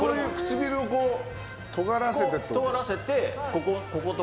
唇をとがらせてってこと？